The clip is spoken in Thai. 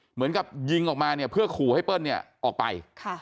เหมือนกับยิงออกมาเนี่ยเพื่อขู่ให้เปิ้ลเนี่ยออกไป